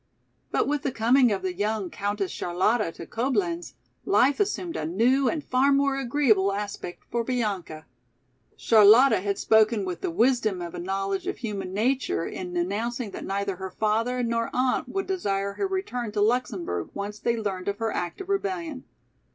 But with the coming of the young Countess Charlotta to Coblenz, life assumed a new and far more agreeable aspect for Bianca. Charlotta had spoken with the wisdom of a knowledge of human nature in announcing that neither her father nor aunt would desire her return to Luxemburg once they learned of her act of rebellion.